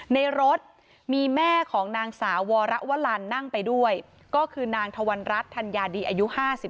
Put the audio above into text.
ในรถมีแม่ของนางสาววรวลันนั่งไปด้วยก็คือนางธวรรณรัฐธัญญาดีอายุ๕๓